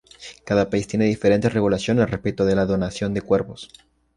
Cada país tiene diferentes regulaciones respecto de la donación de cuerpos.